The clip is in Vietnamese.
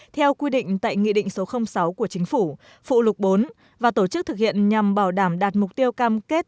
theo quy định tại nghị định số sáu của chính phủ phụ lục bốn và tổ chức thực hiện nhằm bảo đảm đạt mục tiêu cam kết